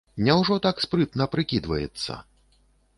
Няўжо так спрытна прыкідваецца?